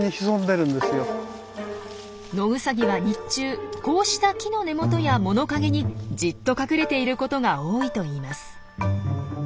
ノウサギは日中こうした木の根元や物陰にじっと隠れていることが多いといいます。